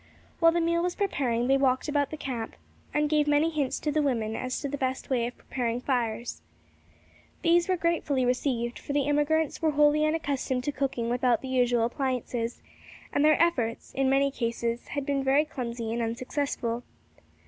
While the meal was preparing they walked about in the camp, and gave many hints to the women as to the best way of preparing fires. These were gratefully received, for the emigrants were wholly unaccustomed to cooking without the usual appliances, and their efforts, in many cases, had been very clumsy and unsuccessful.